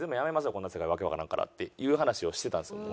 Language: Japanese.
こんな世界わけわからんからっていう話をしてたんですよ。